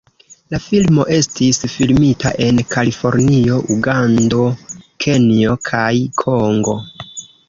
La filmo estis filmita en Kalifornio, Ugando, Kenjo kaj Kongo.